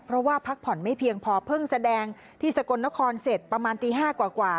เพราะว่าพักผ่อนไม่เพียงพอเพิ่งแสดงที่สกลนครเสร็จประมาณตี๕กว่า